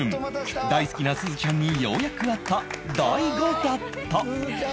大好きなすずちゃんにようやく会った大悟だった